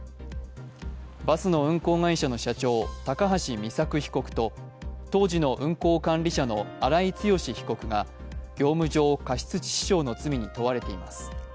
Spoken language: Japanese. バスの運行会社社長、高橋美作被告と当時の運行管理者の荒井強被告が業務上過失致死傷の罪に問われています。